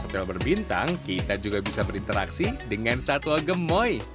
hotel berbintang kita juga bisa berinteraksi dengan satwa gemoy